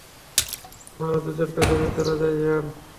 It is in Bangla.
আপনারা দুজন পেছনের দরজায় যান।